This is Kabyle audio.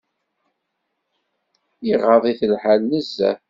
Iɣaḍ-it lḥal nezzeh.